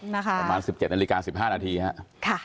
นะคะประมาณ๑๗นาฬิกา๑๕นาทีครับค่ะ